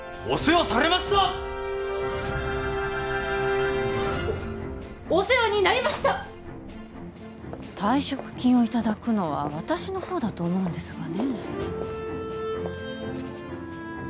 おっお世話になりました退職金をいただくのは私のほうだと思うんですがね